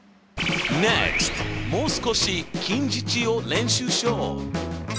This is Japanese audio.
もう少し近似値を練習しよう。